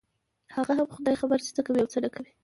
هغه هم خداى خبر چې څه کوي او څه نه کوي.